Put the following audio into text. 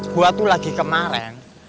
gue tuh lagi kemaren